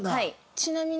ちなみに？